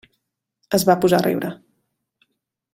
Es va posar a riure.